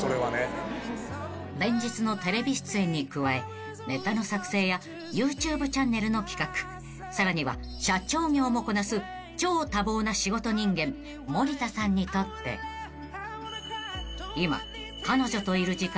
［連日のテレビ出演に加えネタの作成やＹｏｕＴｕｂｅチャンネルの企画さらには社長業もこなす超多忙な仕事人間森田さんにとって今］